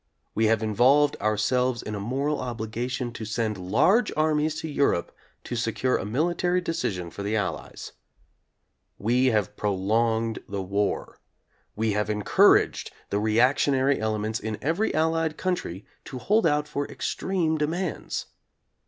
We have involved ourselves in a moral obligation to send large armies to Europe to secure a military decision for the Allies. We have prolonged the war. We have encouraged the reactionary elements in every Allied country to hold out for extreme demands.